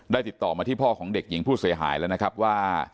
ติดต่อมาที่พ่อของเด็กหญิงผู้เสียหายแล้วนะครับว่า